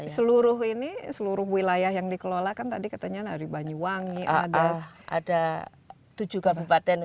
seluruh ini seluruh wilayah yang dikelolakan tadi ketanyaan dari banyuwangi ada ada tujuh kabupaten